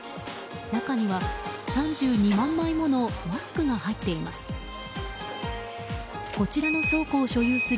中には３２万枚ものマスクが入っています。